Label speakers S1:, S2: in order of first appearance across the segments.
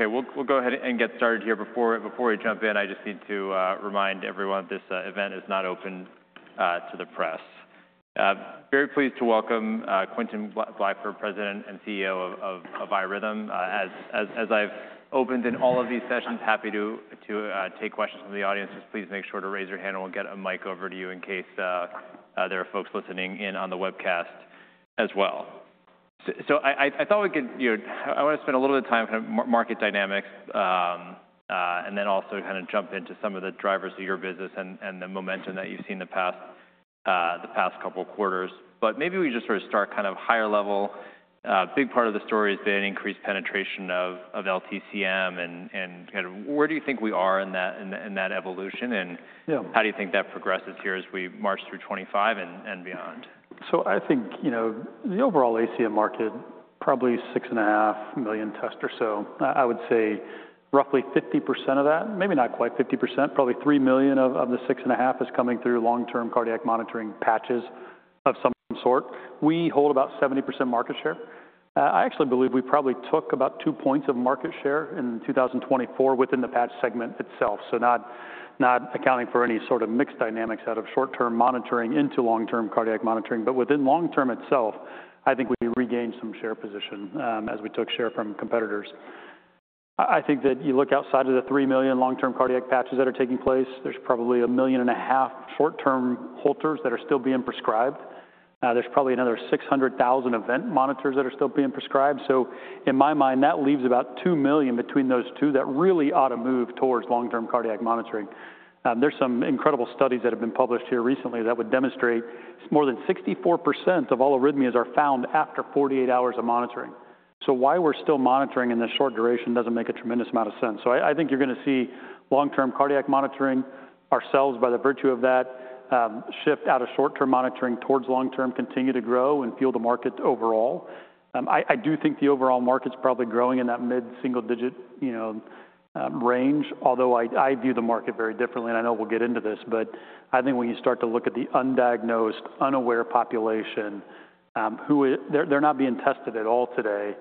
S1: Okay, we'll go ahead and get started here. Before we jump in, I just need to remind everyone that this event is not open to the press. Very pleased to welcome Quentin Blackford, President and CEO of iRhythm. As I've opened in all of these sessions, happy to take questions from the audience. Just please make sure to raise your hand, and we'll get a mic over to you in case there are folks listening in on the webcast as well. I thought we could, you know, I want to spend a little bit of time on market dynamics, and then also kind of jump into some of the drivers of your business and the momentum that you've seen the past couple of quarters. Maybe we just sort of start kind of higher level. A big part of the story has been increased penetration of LTCM, and kind of where do you think we are in that evolution, and how do you think that progresses here as we march through 2025 and beyond?
S2: I think, you know, the overall ACM market, probably six and a half million tests or so. I would say roughly 50% of that, maybe not quite 50%, probably 3 million of the six and a half is coming through long-term cardiac monitoring patches of some sort. We hold about 70% market share. I actually believe we probably took about two percentage points of market share in 2024 within the patch segment itself, so not accounting for any sort of mixed dynamics out of short-term monitoring into long-term cardiac monitoring. Within long-term itself, I think we regained some share position as we took share from competitors. I think that you look outside of the 3 million long-term cardiac patches that are taking place, there's probably 1.5 million short-term Holters that are still being prescribed. There's probably another 600,000 event monitors that are still being prescribed. In my mind, that leaves about two million between those two that really ought to move towards long-term cardiac monitoring. There are some incredible studies that have been published here recently that would demonstrate more than 64% of all arrhythmias are found after 48 hours of monitoring. Why we are still monitoring in this short duration does not make a tremendous amount of sense. I think you are going to see long-term cardiac monitoring, ourselves by the virtue of that, shift out of short-term monitoring towards long-term, continue to grow and fuel the market overall. I do think the overall market is probably growing in that mid-single-digit range, although I view the market very differently, and I know we will get into this. I think when you start to look at the undiagnosed, unaware population, who they're not being tested at all today,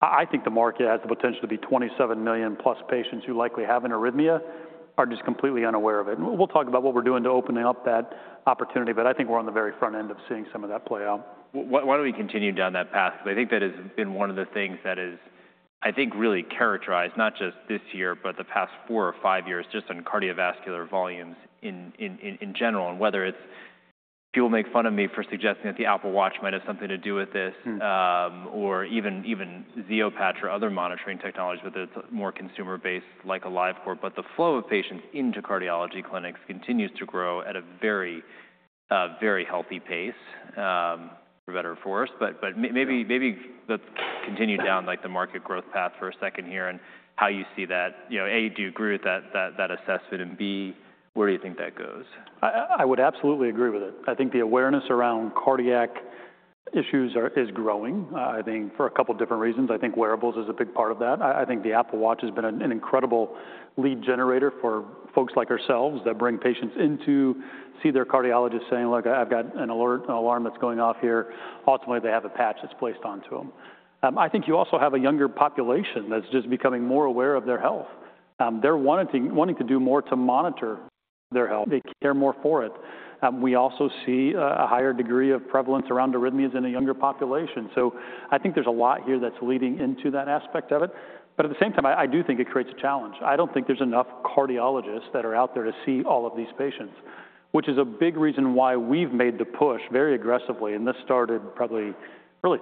S2: I think the market has the potential to be 27 million plus patients who likely have an arrhythmia are just completely unaware of it. We'll talk about what we're doing to open up that opportunity, but I think we're on the very front end of seeing some of that play out.
S1: Why do not we continue down that path? Because I think that has been one of the things that is, I think, really characterized not just this year, but the past four or five years just on cardiovascular volumes in general. Whether it is, people make fun of me for suggesting that the Apple Watch might have something to do with this, or even Zio Patch or other monitoring technologies, but it is more consumer-based like AliveCor. The flow of patients into cardiology clinics continues to grow at a very, very healthy pace, for better or for worse. Maybe let us continue down the market growth path for a second here and how you see that. A, do you agree with that assessment, and B, where do you think that goes?
S2: I would absolutely agree with it. I think the awareness around cardiac issues is growing, I think, for a couple of different reasons. I think wearables is a big part of that. I think the Apple Watch has been an incredible lead generator for folks like ourselves that bring patients in to see their cardiologist saying, "Look, I've got an alert, an alarm that's going off here." Ultimately, they have a patch that's placed onto them. I think you also have a younger population that's just becoming more aware of their health. They're wanting to do more to monitor their health. They care more for it. We also see a higher degree of prevalence around arrhythmias in a younger population. I think there's a lot here that's leading into that aspect of it. At the same time, I do think it creates a challenge. I don't think there's enough cardiologists that are out there to see all of these patients, which is a big reason why we've made the push very aggressively. This started probably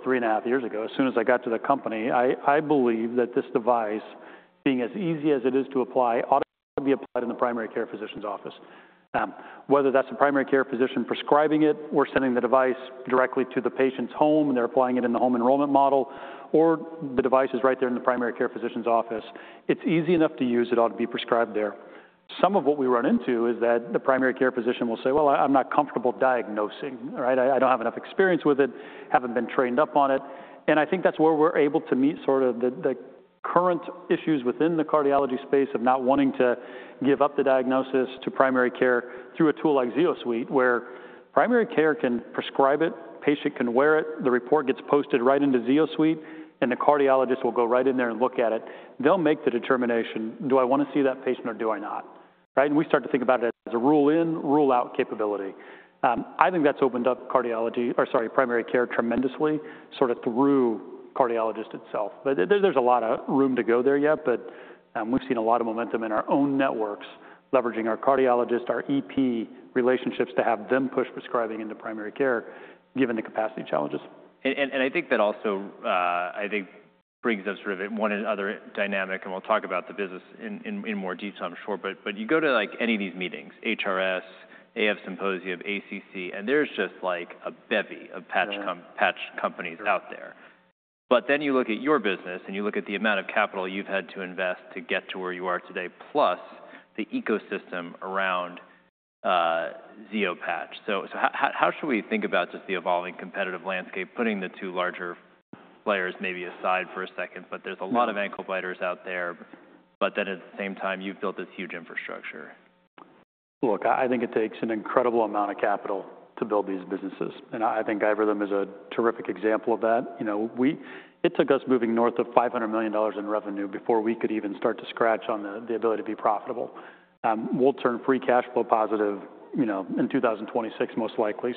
S2: three and a half years ago. As soon as I got to the company, I believe that this device, being as easy as it is to apply, ought to be applied in the primary care physician's office. Whether that's the primary care physician prescribing it or sending the device directly to the patient's home and they're applying it in the home enrollment model, or the device is right there in the primary care physician's office, it's easy enough to use. It ought to be prescribed there. Some of what we run into is that the primary care physician will say, "Well, I'm not comfortable diagnosing," right? I don't have enough experience with it, haven't been trained up on it." I think that's where we're able to meet sort of the current issues within the cardiology space of not wanting to give up the diagnosis to primary care through a tool like Zio Suite, where primary care can prescribe it, patient can wear it, the report gets posted right into Zio Suite, and the cardiologist will go right in there and look at it. They'll make the determination, "Do I want to see that patient or do I not?" Right? We start to think about it as a rule-in, rule-out capability. I think that's opened up cardiology, or sorry, primary care tremendously, sort of through cardiologist itself. There's a lot of room to go there yet, but we've seen a lot of momentum in our own networks, leveraging our cardiologist, our EP relationships to have them push prescribing into primary care, given the capacity challenges.
S1: I think that also, I think, brings up sort of one other dynamic, and we'll talk about the business in more detail, I'm sure. You go to any of these meetings, HRS, AF Symposium, ACC, and there's just like a bevy of patch companies out there. Then you look at your business and you look at the amount of capital you've had to invest to get to where you are today, plus the ecosystem around Zio Patch. How should we think about just the evolving competitive landscape, putting the two larger players maybe aside for a second? There's a lot of ankle-biters out there, but then at the same time, you've built this huge infrastructure.
S2: Look, I think it takes an incredible amount of capital to build these businesses. I think iRhythm is a terrific example of that. It took us moving north of $500 million in revenue before we could even start to scratch on the ability to be profitable. We'll turn free cash flow positive in 2026, most likely.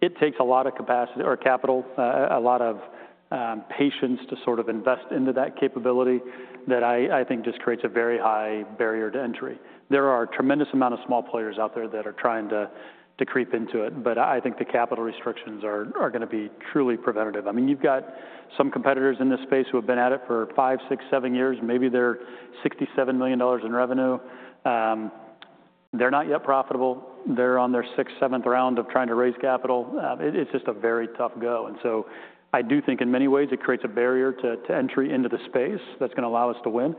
S2: It takes a lot of capacity or capital, a lot of patience to sort of invest into that capability that I think just creates a very high barrier to entry. There are a tremendous amount of small players out there that are trying to creep into it, but I think the capital restrictions are going to be truly preventative. I mean, you've got some competitors in this space who have been at it for five, six, seven years. Maybe they're $67 million in revenue. They're not yet profitable. They're on their sixth, seventh round of trying to raise capital. It's just a very tough go. I do think in many ways it creates a barrier to entry into the space that's going to allow us to win.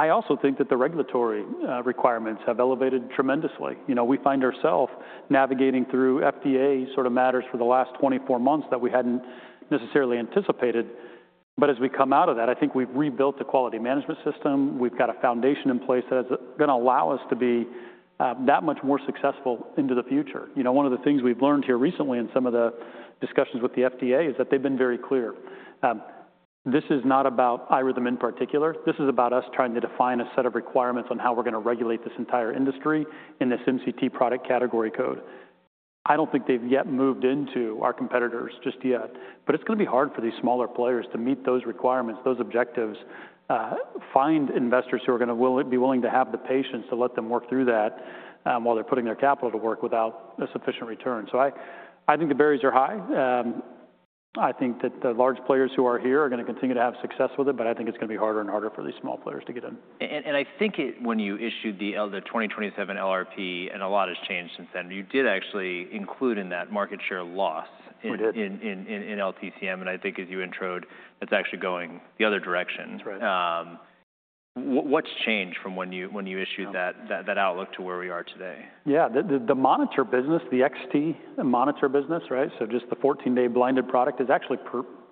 S2: I also think that the regulatory requirements have elevated tremendously. We find ourselves navigating through FDA sort of matters for the last 24 months that we hadn't necessarily anticipated. As we come out of that, I think we've rebuilt the quality management system. We've got a foundation in place that's going to allow us to be that much more successful into the future. One of the things we've learned here recently in some of the discussions with the FDA is that they've been very clear. This is not about iRhythm in particular. This is about us trying to define a set of requirements on how we're going to regulate this entire industry in this MCT product category code. I don't think they've yet moved into our competitors just yet. It is going to be hard for these smaller players to meet those requirements, those objectives, find investors who are going to be willing to have the patience to let them work through that while they're putting their capital to work without a sufficient return. I think the barriers are high. I think that the large players who are here are going to continue to have success with it, but I think it's going to be harder and harder for these small players to get in.
S1: I think when you issued the 2027 LRP, and a lot has changed since then, you did actually include in that market share loss in LTCM. I think as you introed, it's actually going the other direction. What's changed from when you issued that outlook to where we are today?
S2: Yeah, the monitor business, the XT monitor business, right? Just the 14-day blinded product is actually,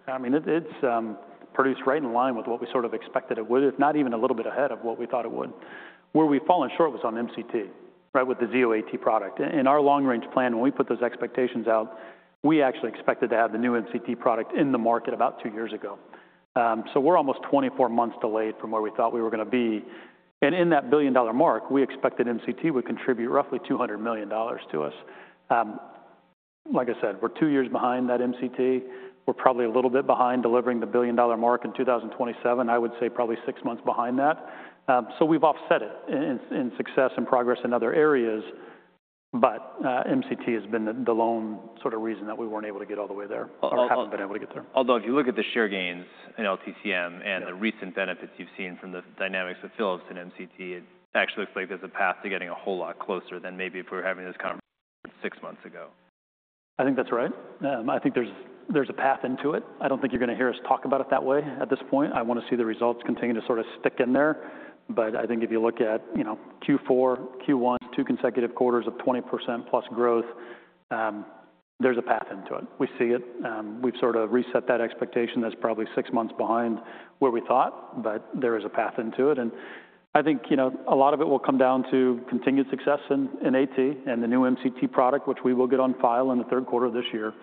S2: I mean, it's produced right in line with what we sort of expected it would, if not even a little bit ahead of what we thought it would. Where we've fallen short was on MCT, right, with the Zio AT product. In our long-range plan, when we put those expectations out, we actually expected to have the new MCT product in the market about two years ago. We're almost 24 months delayed from where we thought we were going to be. In that billion-dollar mark, we expected MCT would contribute roughly $200 million to us. Like I said, we're two years behind that MCT. We're probably a little bit behind delivering the billion-dollar mark in 2027. I would say probably six months behind that. We have offset it in success and progress in other areas, but MCT has been the lone sort of reason that we were not able to get all the way there, or have not been able to get there.
S1: Although if you look at the share gains in LTCM and the recent benefits you've seen from the dynamics of Philips and MCT, it actually looks like there's a path to getting a whole lot closer than maybe if we were having this conference six months ago.
S2: I think that's right. I think there's a path into it. I don't think you're going to hear us talk about it that way at this point. I want to see the results continue to sort of stick in there. I think if you look at Q4, Q1, two consecutive quarters of 20% plus growth, there's a path into it. We see it. We've sort of reset that expectation that's probably six months behind where we thought, but there is a path into it. I think a lot of it will come down to continued success in AT and the new MCT product, which we will get on file in the third quarter of this year.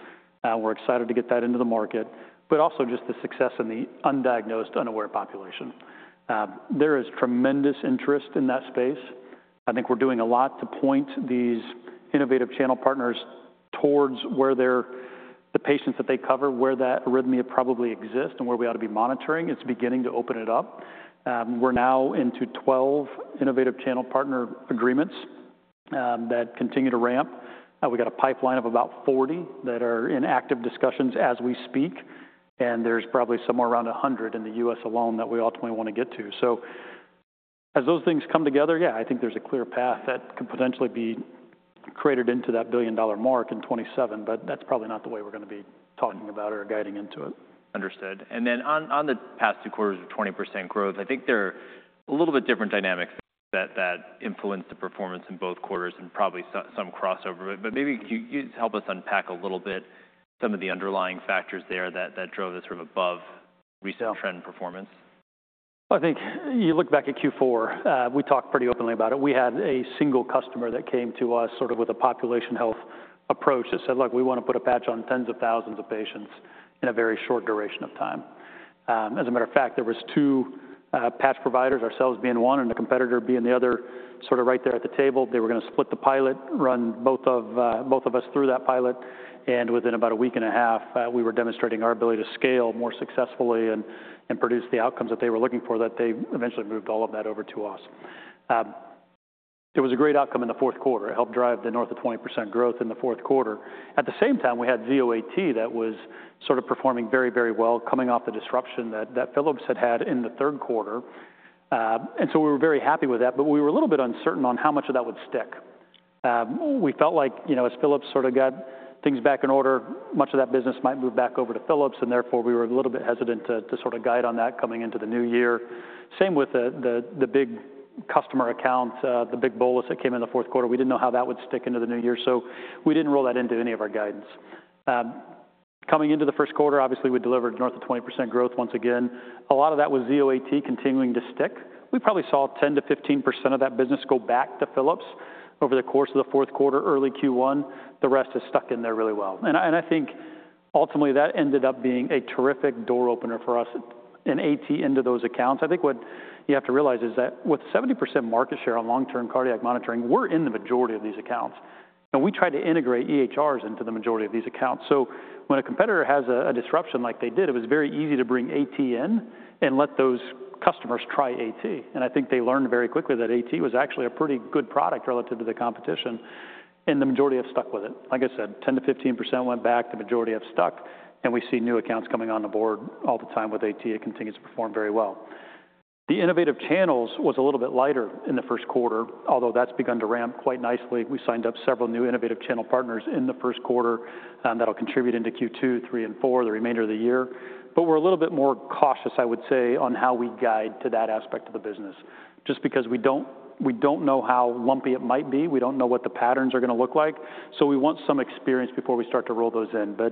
S2: We're excited to get that into the market, but also just the success in the undiagnosed, unaware population. There is tremendous interest in that space. I think we're doing a lot to point these innovative channel partners towards where the patients that they cover, where that arrhythmia probably exists and where we ought to be monitoring. It's beginning to open it up. We're now into 12 innovative channel partner agreements that continue to ramp. We got a pipeline of about 40 that are in active discussions as we speak. There's probably somewhere around 100 in the U.S. alone that we ultimately want to get to. As those things come together, yeah, I think there's a clear path that could potentially be cratered into that billion-dollar mark in 2027, but that's probably not the way we're going to be talking about it or guiding into it.
S1: Understood. On the past two quarters of 20% growth, I think there are a little bit different dynamics that influenced the performance in both quarters and probably some crossover. Maybe you help us unpack a little bit some of the underlying factors there that drove this sort of above recent trend performance.
S2: I think you look back at Q4, we talked pretty openly about it. We had a single customer that came to us sort of with a population health approach that said, "Look, we want to put a patch on tens of thousands of patients in a very short duration of time." As a matter of fact, there were two patch providers, ourselves being one and a competitor being the other, sort of right there at the table. They were going to split the pilot, run both of us through that pilot. Within about a week and a half, we were demonstrating our ability to scale more successfully and produce the outcomes that they were looking for, that they eventually moved all of that over to us. There was a great outcome in the fourth quarter. It helped drive the north of 20% growth in the fourth quarter. At the same time, we had Zio AT that was sort of performing very, very well, coming off the disruption that Philips had had in the third quarter. We were very happy with that, but we were a little bit uncertain on how much of that would stick. We felt like as Philips sort of got things back in order, much of that business might move back over to Philips, and therefore we were a little bit hesitant to sort of guide on that coming into the new year. Same with the big customer account, the big bolus that came in the fourth quarter. We did not know how that would stick into the new year, so we did not roll that into any of our guidance. Coming into the first quarter, obviously, we delivered north of 20% growth once again. A lot of that was Zio AT continuing to stick. We probably saw 10-15% of that business go back to Philips over the course of the fourth quarter, early Q1. The rest has stuck in there really well. I think ultimately that ended up being a terrific door opener for us in AT into those accounts. I think what you have to realize is that with 70% market share on long-term cardiac monitoring, we're in the majority of these accounts. We tried to integrate EHRs into the majority of these accounts. When a competitor has a disruption like they did, it was very easy to bring AT in and let those customers try AT. I think they learned very quickly that AT was actually a pretty good product relative to the competition. The majority have stuck with it. Like I said, 10-15% went back, the majority have stuck. We see new accounts coming on the board all the time with AT. It continues to perform very well. The innovative channels was a little bit lighter in the first quarter, although that's begun to ramp quite nicely. We signed up several new innovative channel partners in the first quarter that'll contribute into Q2, Q3, and Q4, the remainder of the year. We are a little bit more cautious, I would say, on how we guide to that aspect of the business, just because we do not know how lumpy it might be. We do not know what the patterns are going to look like. We want some experience before we start to roll those in. We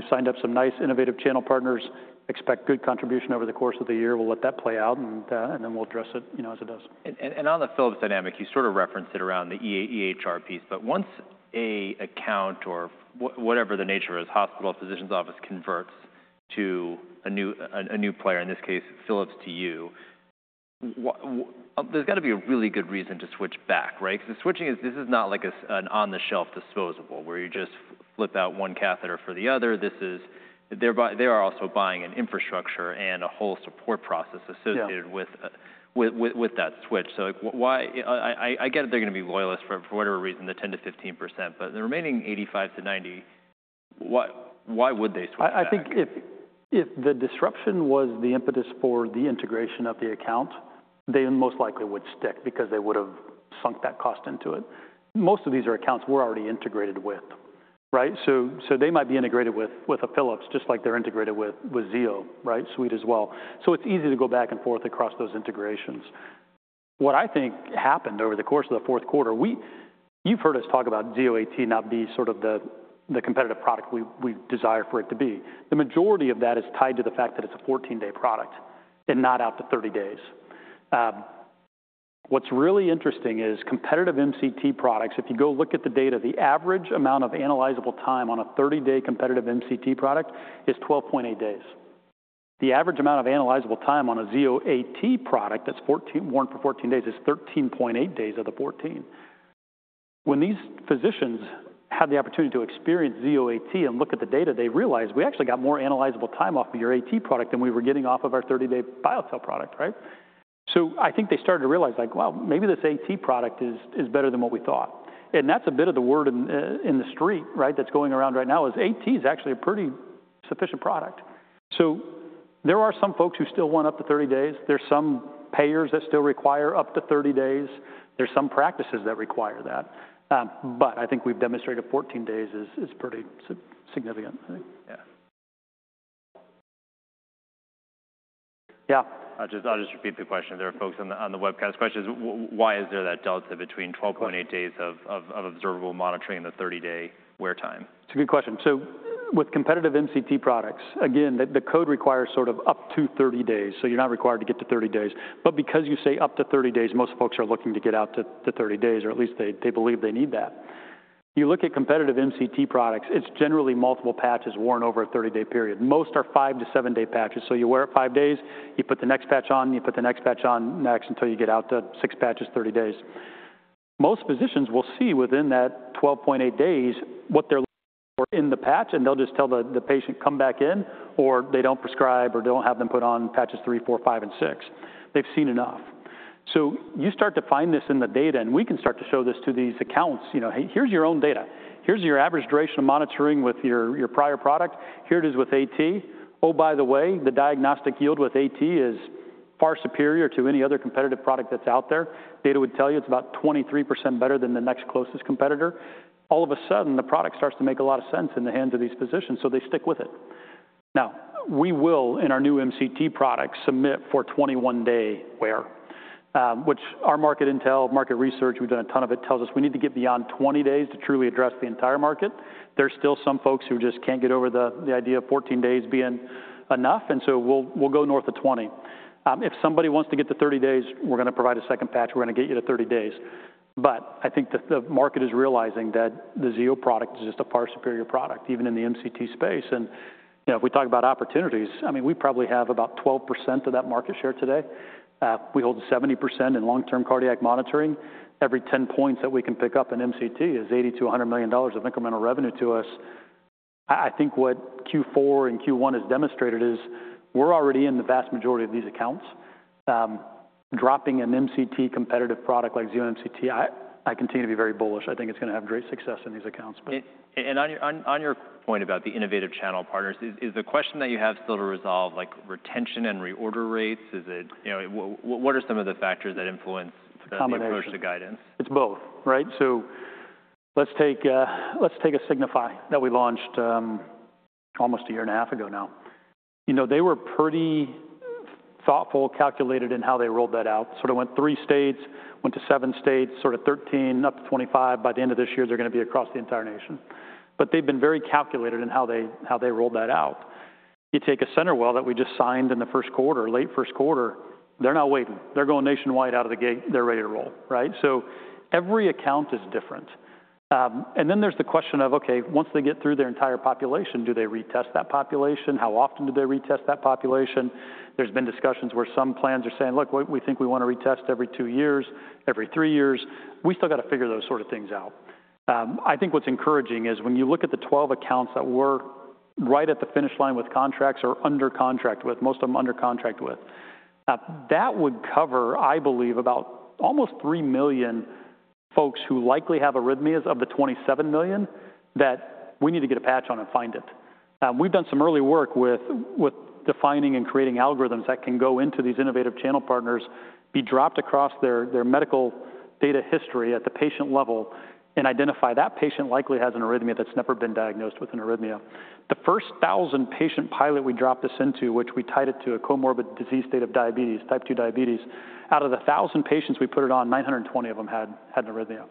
S2: have signed up some nice innovative channel partners, expect good contribution over the course of the year. We will let that play out, and then we will address it as it does.
S1: On the Philips dynamic, you sort of referenced it around the EHR piece. Once an account or whatever the nature is, hospital, physician's office converts to a new player, in this case, Philips to you, there has got to be a really good reason to switch back, right? Switching is not like an on-the-shelf disposable where you just flip out one catheter for the other. They are also buying an infrastructure and a whole support process associated with that switch. I get that they are going to be loyalists for whatever reason, the 10-15%, but the remaining 85-90%, why would they switch?
S2: I think if the disruption was the impetus for the integration of the account, they most likely would stick because they would have sunk that cost into it. Most of these are accounts we're already integrated with, right? They might be integrated with a Philips, just like they're integrated with Zio, right? Suite as well. It's easy to go back and forth across those integrations. What I think happened over the course of the fourth quarter, you've heard us talk about Zio AT not being sort of the competitive product we desire for it to be. The majority of that is tied to the fact that it's a 14-day product and not out to 30 days. What's really interesting is competitive MCT products, if you go look at the data, the average amount of analyzable time on a 30-day competitive MCT product is 12.8 days. The average amount of analyzable time on a Zio AT product that's warranted for 14 days is 13.8 days of the 14. When these physicians had the opportunity to experience Zio AT and look at the data, they realized, "We actually got more analyzable time off of your AT product than we were getting off of our 30-day BioTel product," right? I think they started to realize, like, "Wow, maybe this AT product is better than what we thought." That's a bit of the word in the street, right, that's going around right now is AT is actually a pretty sufficient product. There are some folks who still want up to 30 days. There's some payers that still require up to 30 days. There's some practices that require that. I think we've demonstrated 14 days is pretty significant.
S1: Yeah. I'll just repeat the question. There are folks on the webcast questions. Why is there that delta between 12.8 days of observable monitoring and the 30-day wear time?
S2: It's a good question. With competitive MCT products, again, the code requires sort of up to 30 days. You're not required to get to 30 days. Because you say up to 30 days, most folks are looking to get out to 30 days, or at least they believe they need that. You look at competitive MCT products, it's generally multiple patches worn over a 30-day period. Most are five to seven-day patches. You wear it five days, you put the next patch on, you put the next patch on next until you get out to six patches, 30 days. Most physicians will see within that 12.8 days what they're looking for in the patch, and they'll just tell the patient, "Come back in," or they don't prescribe or don't have them put on patches three, four, five, and six. They've seen enough. You start to find this in the data, and we can start to show this to these accounts. Here's your own data. Here's your average duration of monitoring with your prior product. Here it is with AT. Oh, by the way, the diagnostic yield with AT is far superior to any other competitive product that's out there. Data would tell you it's about 23% better than the next closest competitor. All of a sudden, the product starts to make a lot of sense in the hands of these physicians, so they stick with it. Now, we will, in our new MCT product, submit for 21-day wear, which our market intel, market research, we've done a ton of it, tells us we need to get beyond 20 days to truly address the entire market. There's still some folks who just can't get over the idea of 14 days being enough, and so we'll go north of 20. If somebody wants to get to 30 days, we're going to provide a second patch. We're going to get you to 30 days. I think the market is realizing that the Zio product is just a far superior product, even in the MCT space. If we talk about opportunities, I mean, we probably have about 12% of that market share today. We hold 70% in long-term cardiac monitoring. Every 10 points that we can pick up in MCT is $80 million-$100 million of incremental revenue to us. I think what Q4 and Q1 has demonstrated is we're already in the vast majority of these accounts. Dropping an MCT competitive product like Zio MCT, I continue to be very bullish. I think it's going to have great success in these accounts.
S1: On your point about the innovative channel partners, is the question that you have still to resolve, like retention and reorder rates? What are some of the factors that influence the approach to guidance?
S2: It's both, right? Let's take a Signify that we launched almost a year and a half ago now. They were pretty thoughtful, calculated in how they rolled that out. Sort of went three states, went to seven states, sort of 13, up to 25. By the end of this year, they're going to be across the entire nation. They have been very calculated in how they rolled that out. You take a CenterWell that we just signed in the first quarter, late first quarter, they're not waiting. They're going nationwide out of the gate. They're ready to roll, right? Every account is different. Then there's the question of, okay, once they get through their entire population, do they retest that population? How often do they retest that population? There's been discussions where some plans are saying, "Look, we think we want to retest every two years, every three years." We still got to figure those sort of things out. I think what's encouraging is when you look at the 12 accounts that were right at the finish line with contracts or under contract with, most of them under contract with, that would cover, I believe, about almost 3 million folks who likely have arrhythmias of the 27 million that we need to get a patch on and find it. We've done some early work with defining and creating algorithms that can go into these innovative channel partners, be dropped across their medical data history at the patient level, and identify that patient likely has an arrhythmia that's never been diagnosed with an arrhythmia. The first thousand patient pilot we dropped this into, which we tied it to a comorbid disease state of diabetes, type 2 diabetes, out of the thousand patients we put it on, 920 of them had an arrhythmia.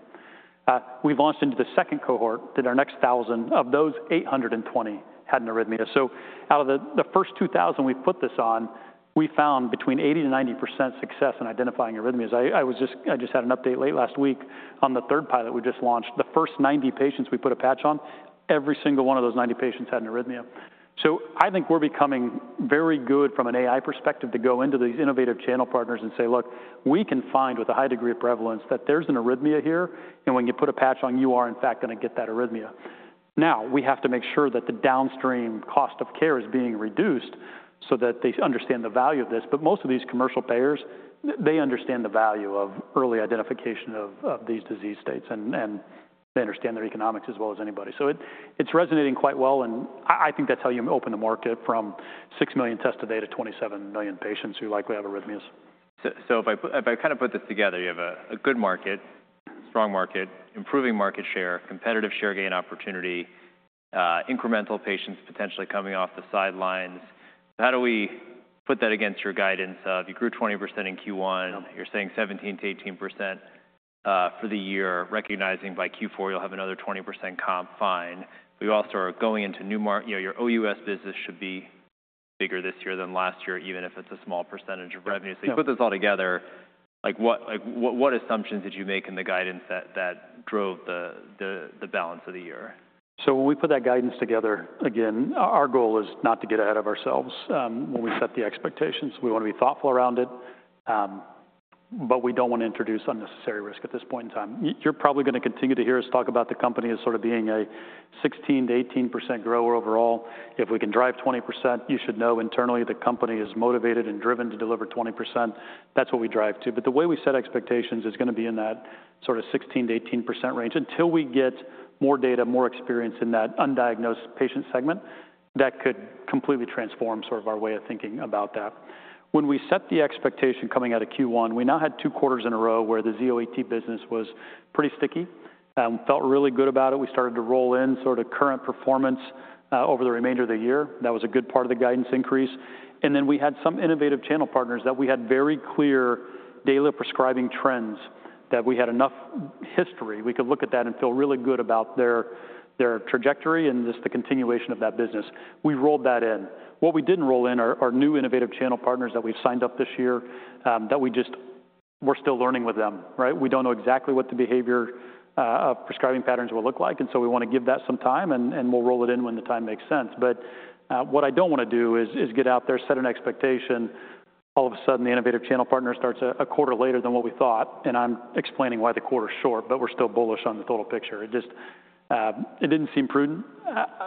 S2: We've launched into the second cohort, did our next thousand, of those 820 had an arrhythmia. Out of the first 2,000 we put this on, we found between 80-90% success in identifying arrhythmias. I just had an update late last week on the third pilot we just launched. The first 90 patients we put a patch on, every single one of those 90 patients had an arrhythmia. I think we're becoming very good from an AI perspective to go into these innovative channel partners and say, "Look, we can find with a high degree of prevalence that there's an arrhythmia here, and when you put a patch on, you are in fact going to get that arrhythmia." Now, we have to make sure that the downstream cost of care is being reduced so that they understand the value of this. Most of these commercial payers understand the value of early identification of these disease states, and they understand their economics as well as anybody. It's resonating quite well, and I think that's how you open the market from 6 million tests a day to 27 million patients who likely have arrhythmias.
S1: If I kind of put this together, you have a good market, strong market, improving market share, competitive share gain opportunity, incremental patients potentially coming off the sidelines. How do we put that against your guidance? You grew 20% in Q1. You're saying 17%-18% for the year, recognizing by Q4 you'll have another 20% comp, fine. You also are going into new market. Your OUS business should be bigger this year than last year, even if it's a small percentage of revenue. You put this all together. What assumptions did you make in the guidance that drove the balance of the year?
S2: When we put that guidance together, again, our goal is not to get ahead of ourselves when we set the expectations. We want to be thoughtful around it, but we do not want to introduce unnecessary risk at this point in time. You're probably going to continue to hear us talk about the company as sort of being a 16-18% grower overall. If we can drive 20%, you should know internally the company is motivated and driven to deliver 20%. That's what we drive to. The way we set expectations is going to be in that sort of 16-18% range until we get more data, more experience in that undiagnosed patient segment that could completely transform sort of our way of thinking about that. When we set the expectation coming out of Q1, we now had two quarters in a row where the Zio AT business was pretty sticky. Felt really good about it. We started to roll in sort of current performance over the remainder of the year. That was a good part of the guidance increase. Then we had some innovative channel partners that we had very clear daily prescribing trends that we had enough history. We could look at that and feel really good about their trajectory and just the continuation of that business. We rolled that in. What we did not roll in are new innovative channel partners that we have signed up this year that we just were still learning with them, right? We don't know exactly what the behavior of prescribing patterns will look like, and so we want to give that some time, and we'll roll it in when the time makes sense. What I don't want to do is get out there, set an expectation. All of a sudden, the innovative channel partner starts a quarter later than what we thought, and I'm explaining why the quarter is short, but we're still bullish on the total picture. It didn't seem prudent.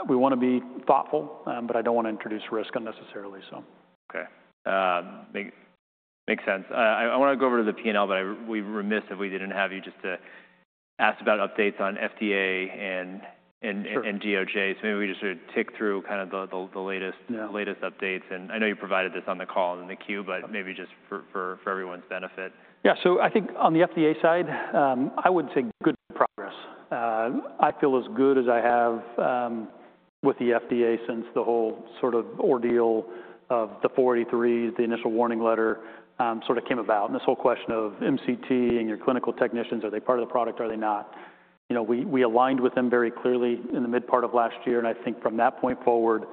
S2: We want to be thoughtful, but I don't want to introduce risk unnecessarily, so.
S1: Okay. Makes sense. I want to go over to the P&L, but we're remiss if we didn't have you just to ask about updates on FDA and GOJ. Maybe we just sort of tick through kind of the latest updates. I know you provided this on the call and in the queue, but maybe just for everyone's benefit.
S2: Yeah. So I think on the FDA side, I would say good progress. I feel as good as I have with the FDA since the whole sort of ordeal of the 483s, the initial warning letter sort of came about. And this whole question of MCT and your clinical technicians, are they part of the product? Are they not? We aligned with them very clearly in the mid-part of last year, and I think from that point forward,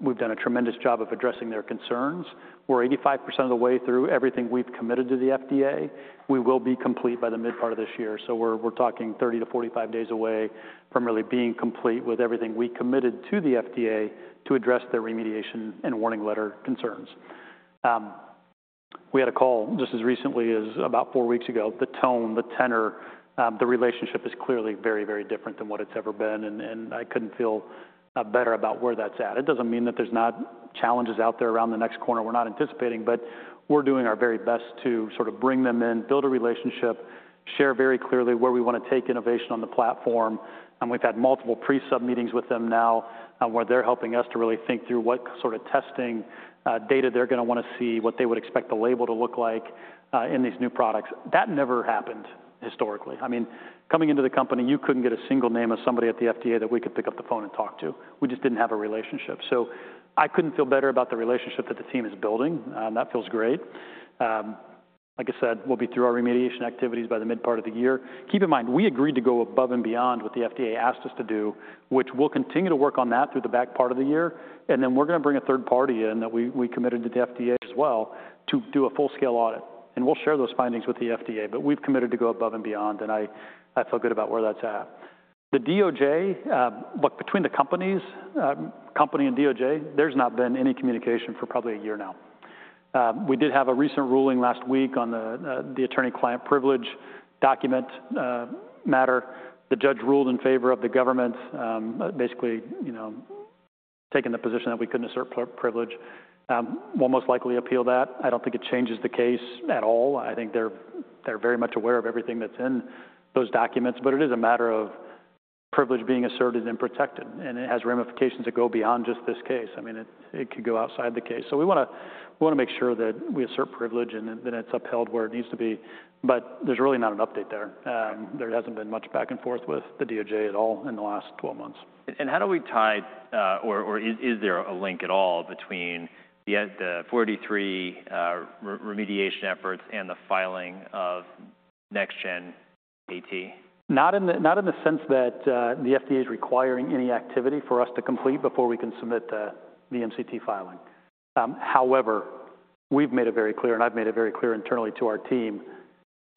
S2: we've done a tremendous job of addressing their concerns. We're 85% of the way through everything we've committed to the FDA. We will be complete by the mid-part of this year. So we're talking 30-45 days away from really being complete with everything we committed to the FDA to address their remediation and warning letter concerns. We had a call just as recently as about four weeks ago. The tone, the tenor, the relationship is clearly very, very different than what it's ever been, and I couldn't feel better about where that's at. It doesn't mean that there's not challenges out there around the next corner we're not anticipating, but we're doing our very best to sort of bring them in, build a relationship, share very clearly where we want to take innovation on the platform. We've had multiple pre-sub meetings with them now where they're helping us to really think through what sort of testing data they're going to want to see, what they would expect the label to look like in these new products. That never happened historically. I mean, coming into the company, you couldn't get a single name of somebody at the FDA that we could pick up the phone and talk to. We just didn't have a relationship. I couldn't feel better about the relationship that the team is building, and that feels great. Like I said, we'll be through our remediation activities by the mid-part of the year. Keep in mind, we agreed to go above and beyond what the FDA asked us to do, which we'll continue to work on that through the back part of the year. We are going to bring a third party in that we committed to the FDA as well to do a full-scale audit. We'll share those findings with the FDA, but we've committed to go above and beyond, and I feel good about where that's at. The DOJ, look, between the company and DOJ, there's not been any communication for probably a year now. We did have a recent ruling last week on the attorney-client privilege document matter. The judge ruled in favor of the government, basically taking the position that we couldn't assert privilege. We'll most likely appeal that. I don't think it changes the case at all. I think they're very much aware of everything that's in those documents, but it is a matter of privilege being asserted and protected, and it has ramifications that go beyond just this case. I mean, it could go outside the case. We want to make sure that we assert privilege and that it's upheld where it needs to be. There's really not an update there. There hasn't been much back and forth with the DOJ at all in the last 12 months.
S1: How do we tie or is there a link at all between the 483 remediation efforts and the filing of NextGen AT?
S2: Not in the sense that the FDA is requiring any activity for us to complete before we can submit the MCT filing. However, we've made it very clear, and I've made it very clear internally to our team,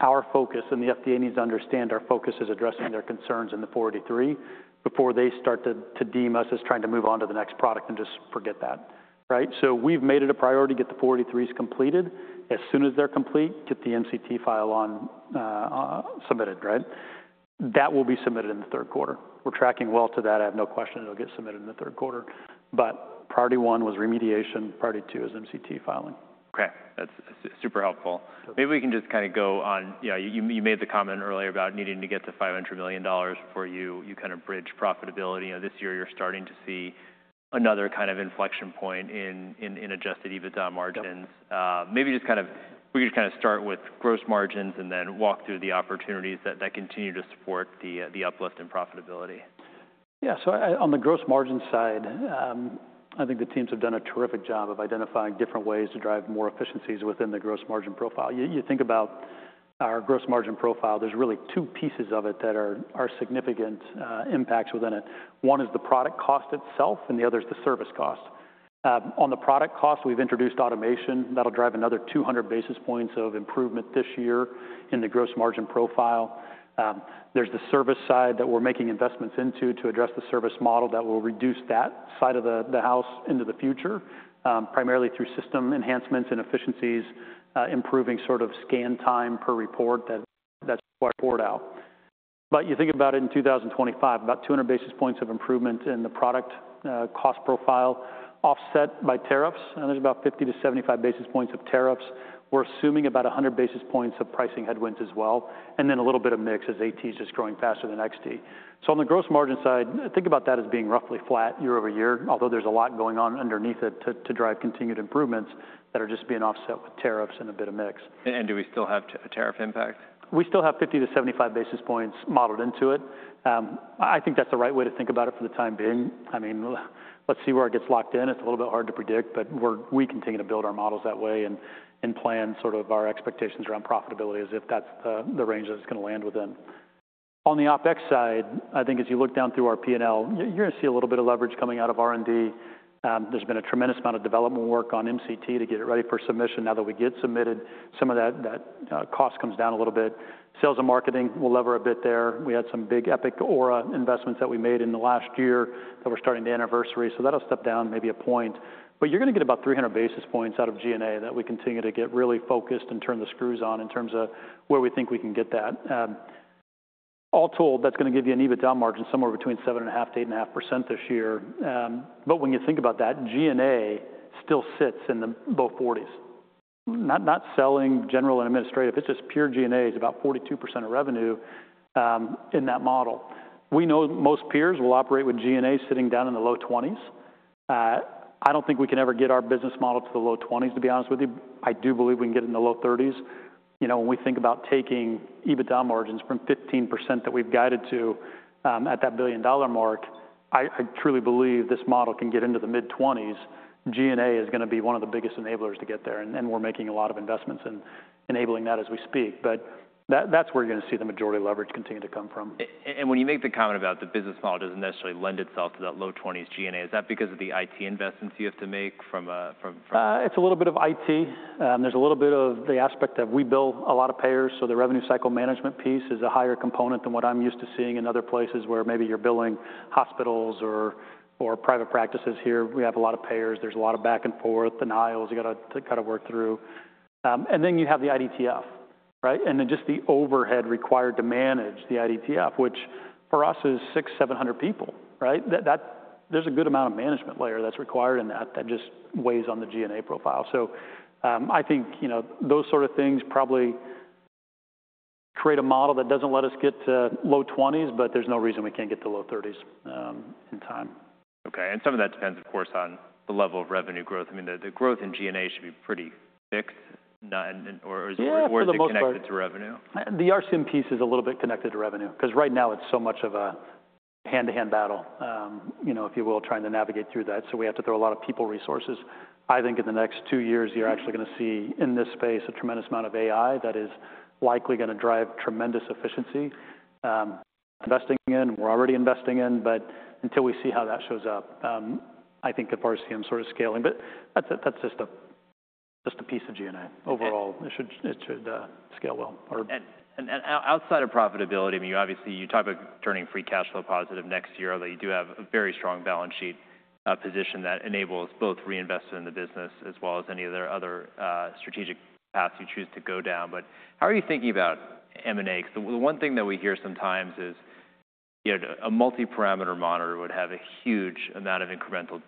S2: our focus, and the FDA needs to understand our focus is addressing their concerns in the 483 before they start to deem us as trying to move on to the next product and just forget that, right? We have made it a priority to get the 483s completed. As soon as they're complete, get the MCT file submitted, right? That will be submitted in the third quarter. We're tracking well to that. I have no question it'll get submitted in the third quarter. Priority one was remediation. Priority two is MCT filing.
S1: Okay. That's super helpful. Maybe we can just kind of go on. You made the comment earlier about needing to get to $500 million before you kind of bridge profitability. This year, you're starting to see another kind of inflection point in adjusted EBITDA margins. Maybe just kind of we could kind of start with gross margins and then walk through the opportunities that continue to support the uplift in profitability.
S2: Yeah. On the gross margin side, I think the teams have done a terrific job of identifying different ways to drive more efficiencies within the gross margin profile. You think about our gross margin profile, there are really two pieces of it that are significant impacts within it. One is the product cost itself, and the other is the service cost. On the product cost, we have introduced automation that will drive another 200 basis points of improvement this year in the gross margin profile. There is the service side that we are making investments into to address the service model that will reduce that side of the house into the future, primarily through system enhancements and efficiencies, improving sort of scan time per report that is quite bored out. You think about it in 2025, about 200 basis points of improvement in the product cost profile offset by tariffs, and there's about 50-75 basis points of tariffs. We're assuming about 100 basis points of pricing headwinds as well, and then a little bit of mix as AT is just growing faster than XT. On the gross margin side, think about that as being roughly flat year over year, although there's a lot going on underneath it to drive continued improvements that are just being offset with tariffs and a bit of mix.
S1: Do we still have a tariff impact?
S2: We still have 50-75 basis points modeled into it. I think that's the right way to think about it for the time being. I mean, let's see where it gets locked in. It's a little bit hard to predict, but we continue to build our models that way and plan sort of our expectations around profitability as if that's the range that it's going to land within. On the OpEx side, I think as you look down through our P&L, you're going to see a little bit of leverage coming out of R&D. There's been a tremendous amount of development work on MCT to get it ready for submission. Now that we get submitted, some of that cost comes down a little bit. Sales and marketing will lever a bit there. We had some big Epic Aura investments that we made in the last year that we're starting the anniversary. That'll step down maybe a point. You're going to get about 300 basis points out of G&A that we continue to get really focused and turn the screws on in terms of where we think we can get that. All told, that's going to give you an EBITDA margin somewhere between 7.5-8.5% this year. When you think about that, G&A still sits in the low 40s. Not selling general and administrative, it's just pure G&A is about 42% of revenue in that model. We know most peers will operate with G&A sitting down in the low 20s. I don't think we can ever get our business model to the low 20s, to be honest with you. I do believe we can get it in the low 30s. When we think about taking EBITDA margins from 15% that we've guided to at that billion-dollar mark, I truly believe this model can get into the mid-20s. G&A is going to be one of the biggest enablers to get there, and we're making a lot of investments in enabling that as we speak. That is where you're going to see the majority leverage continue to come from.
S1: When you make the comment about the business model doesn't necessarily lend itself to that low 20s G&A, is that because of the IT investments you have to make from.
S2: It's a little bit of IT. There's a little bit of the aspect that we bill a lot of payers. So the revenue cycle management piece is a higher component than what I'm used to seeing in other places where maybe you're billing hospitals or private practices. Here, we have a lot of payers. There's a lot of back and forth and aisles you got to kind of work through. You have the IDTF, right? Just the overhead required to manage the IDTF, which for us is 600-700 people, right? There's a good amount of management layer that's required in that that just weighs on the G&A profile. I think those sort of things probably create a model that doesn't let us get to low 20s, but there's no reason we can't get to low 30s in time.
S1: Okay. Some of that depends, of course, on the level of revenue growth. I mean, the growth in G&A should be pretty fixed or is it more connected to revenue?
S2: The RCM piece is a little bit connected to revenue because right now it's so much of a hand-to-hand battle, if you will, trying to navigate through that. So we have to throw a lot of people resources. I think in the next two years, you're actually going to see in this space a tremendous amount of AI that is likely going to drive tremendous efficiency. Investing in, we're already investing in, but until we see how that shows up, I think the RCM sort of scaling. That is just a piece of G&A. Overall, it should scale well.
S1: Outside of profitability, I mean, obviously, you talk about turning free cash flow positive next year, although you do have a very strong balance sheet position that enables both reinvestment in the business as well as any of their other strategic paths you choose to go down. How are you thinking about M&A? Because the one thing that we hear sometimes is a multi-parameter monitor would have a huge amount of incremental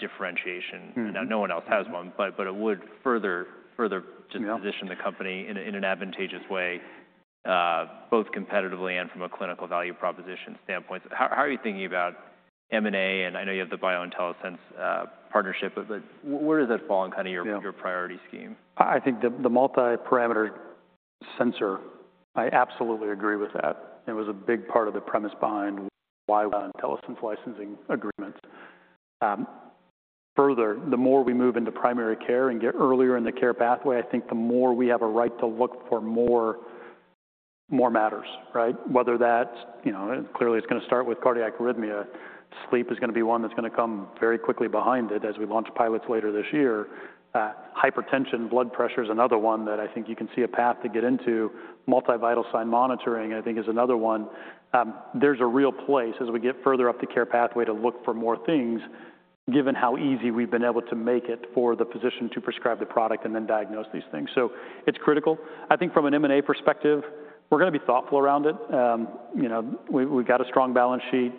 S1: differentiation. Now, no one else has one, but it would further just position the company in an advantageous way, both competitively and from a clinical value proposition standpoint. How are you thinking about M&A? I know you have the BioIntelliSense and Telesense partnership, but where does that fall in kind of your priority scheme?
S2: I think the multi-parameter sensor, I absolutely agree with that. It was a big part of the premise behind why Telesense licensing agreements. Further, the more we move into primary care and get earlier in the care pathway, I think the more we have a right to look for more matters, right? Whether that's clearly, it's going to start with cardiac arrhythmia. Sleep is going to be one that's going to come very quickly behind it as we launch pilots later this year. Hypertension, blood pressure is another one that I think you can see a path to get into. Multivital sign monitoring, I think, is another one. There's a real place as we get further up the care pathway to look for more things, given how easy we've been able to make it for the physician to prescribe the product and then diagnose these things. It is critical. I think from an M&A perspective, we're going to be thoughtful around it. We've got a strong balance sheet.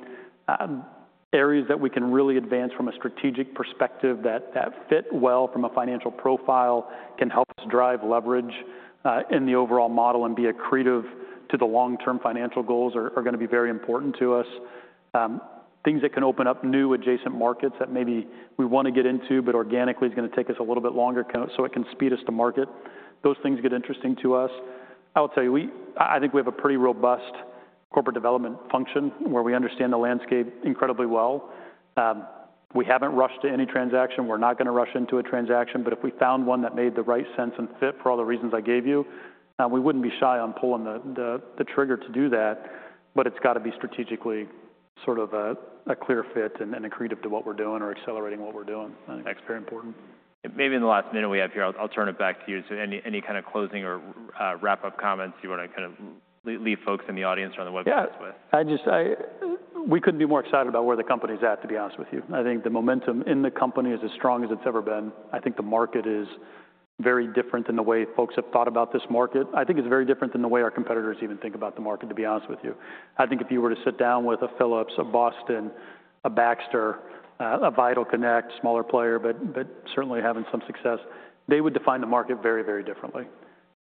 S2: Areas that we can really advance from a strategic perspective that fit well from a financial profile can help us drive leverage in the overall model and be accretive to the long-term financial goals are going to be very important to us. Things that can open up new adjacent markets that maybe we want to get into, but organically is going to take us a little bit longer so it can speed us to market. Those things get interesting to us. I will tell you, I think we have a pretty robust corporate development function where we understand the landscape incredibly well. We haven't rushed to any transaction. We're not going to rush into a transaction. If we found one that made the right sense and fit for all the reasons I gave you, we wouldn't be shy on pulling the trigger to do that. It has to be strategically sort of a clear fit and accretive to what we're doing or accelerating what we're doing. I think that's very important.
S1: Maybe in the last minute we have here, I'll turn it back to you. Any kind of closing or wrap-up comments you want to kind of leave folks in the audience or on the webcast with?
S2: Yeah. We couldn't be more excited about where the company's at, to be honest with you. I think the momentum in the company is as strong as it's ever been. I think the market is very different than the way folks have thought about this market. I think it's very different than the way our competitors even think about the market, to be honest with you. I think if you were to sit down with a Philips, a Boston Scientific, a Baxter, a VitalConnect, smaller player, but certainly having some success, they would define the market very, very differently.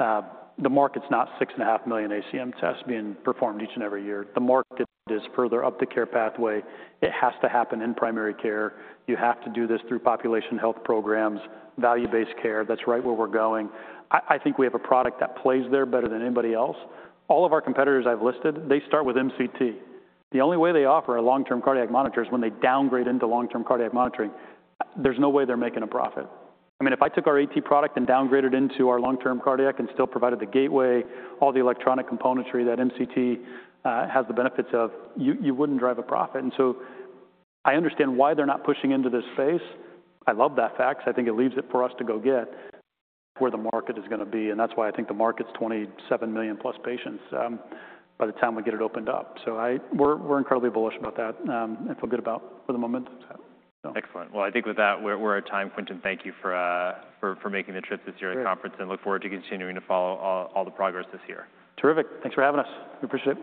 S2: The market's not 6.5 million ACM tests being performed each and every year. The market is further up the care pathway. It has to happen in primary care. You have to do this through population health programs, value-based care. That's right where we're going. I think we have a product that plays there better than anybody else. All of our competitors I've listed, they start with MCT. The only way they offer a long-term cardiac monitor is when they downgrade into long-term cardiac monitoring. There's no way they're making a profit. I mean, if I took our AT product and downgraded into our long-term cardiac and still provided the gateway, all the electronic componentry that MCT has the benefits of, you wouldn't drive a profit. I understand why they're not pushing into this space. I love that fact. I think it leaves it for us to go get where the market is going to be. That's why I think the market's 27 million plus patients by the time we get it opened up. We're incredibly bullish about that and feel good about for the moment.
S1: Excellent. I think with that, we're at time point. Thank you for making the trip this year to the conference and look forward to continuing to follow all the progress this year.
S2: Terrific. Thanks for having us. We appreciate it.